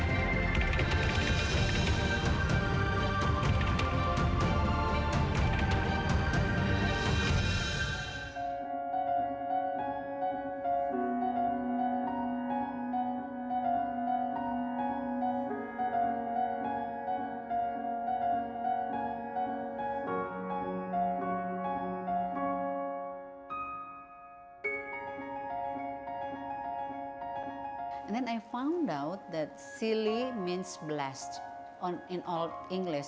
terus saya menemukan bahwa silly berarti blessed dalam bahasa inggris